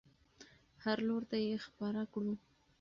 هر لور ته یې خپره کړو.